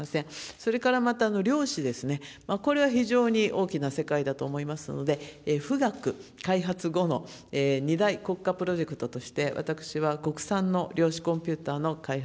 それからまた量子ですね、これは非常に大きな世界だと思いますので、富岳開発後の２大国家プロジェクトとして、私は国産の量子コンピューターの開発。